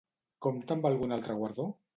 Compta amb algun altre guardó?